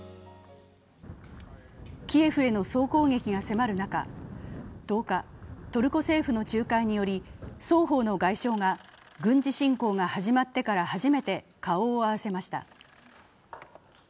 ３キエフへの総攻撃が迫る中、１０日、トルコ政府の仲介により双方の外相が軍事侵攻が始まってから初めて顔を合わせました。